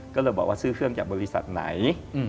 ก็เลยบอกว่าซื้อเครื่องจากบริษัทไหน